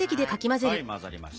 はい混ざりました！